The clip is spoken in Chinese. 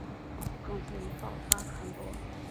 种子以爆发传播。